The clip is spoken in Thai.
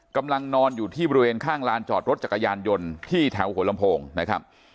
กำลังนอนอยู่ที่บริเวณข้างลานจอดรถจักรยานยนต์ที่แถวหัวลำโพงนะครับ